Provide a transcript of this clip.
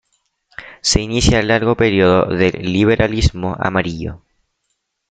Se inicia el largo periodo del Liberalismo Amarillo.